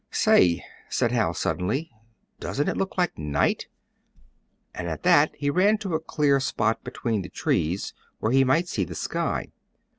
"Say," said Hal, suddenly, "doesn't it look like night?" and at that he ran to a clear spot between the trees, where he might see the sky.